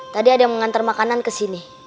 tadi ada yang mengantar makanan kesini